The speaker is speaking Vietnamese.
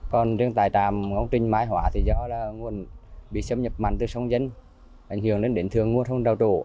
còn trường tài tràm công trình may hóa thì do là nguồn bị xâm nhập mặn từ sông danh ảnh hưởng đến đến thường nguồn không đào trổ